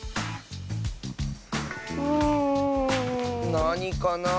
なにかなあ。